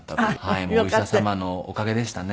お医者様のおかげでしたね。